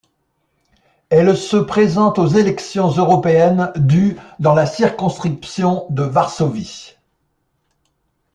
Elle se présente aux élections européennes du dans la circonscription de Varsovie-.